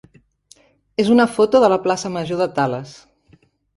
és una foto de la plaça major de Tales.